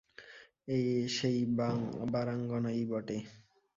এ সেই বারাঙ্গনাই বটে।